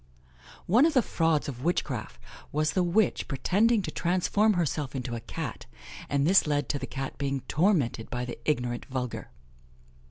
One of the frauds of witchcraft was the witch pretending to transform herself into a Cat, and this led to the Cat being tormented by the ignorant vulgar.